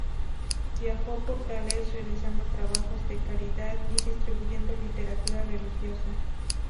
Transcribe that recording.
Viajó por Gales realizando trabajos de caridad y distribuyendo literatura religiosa.